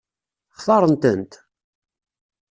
Xtaṛen-tent?